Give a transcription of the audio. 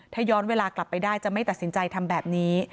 ถ้าย้อนเวลากลับไปได้จะไม่ตัดสินใจทำแบบนี้